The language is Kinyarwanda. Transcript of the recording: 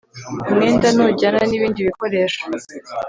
umwenda ntujyana nibindi bikoresho.